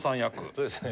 そうですね。